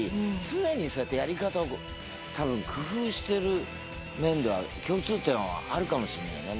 常にそうやってやり方を多分工夫してる面では共通点はあるかもしれないよね